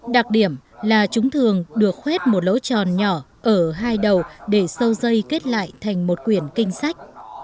đặc điểm là chúng thường được khuét một lỗ tròn nhỏ ở hai đầu để sâu dây kết lại thành một quyển kinh sách